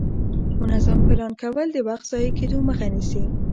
منظم پلان کول د وخت ضایع کېدو مخه نیسي